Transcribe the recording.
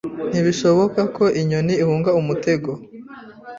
Ntibishoboka ko inyoni ihunga umutego.